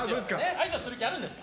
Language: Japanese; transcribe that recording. あいさつする気あるんですか？